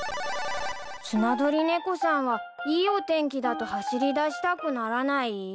スナドリネコさんはいいお天気だと走りだしたくならない？